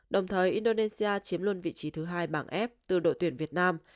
đồng thời indonesia chiếm luôn vị trí thứ hai bảng f từ đội tuyển việt nam